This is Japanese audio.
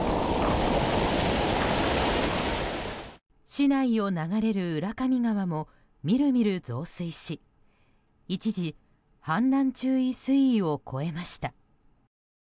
市内を流れる浦上川もみるみる増水し一時、氾濫注意水位を超えました。